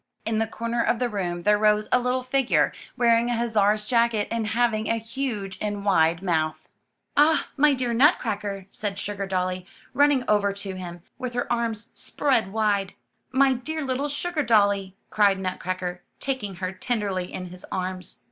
In the corner of the room there rose a little figure, wearing a hussar's jacket and having a huge and wide mouth. *'Ah, my dear Nutcracker,'' said Sugardolly, run ning over to him, with her arms spread wide. My dear little Sugardolly," cried Nutcracker, taking her tenderly in his arms.